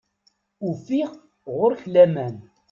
Ufiɣ ɣur-k laman.